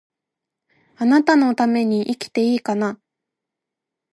貴方のために生きていいかな